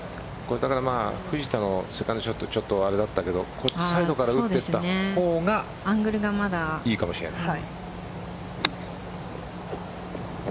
藤田のセカンドショットちょっと、あれだったけどサイドから打っていたほうがいいかもしれない。